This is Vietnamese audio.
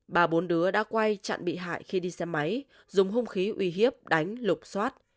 bà bốn đứa đã quay chặn bị hại khi đi xe máy dùng hung khí uy hiếp đánh lục xoát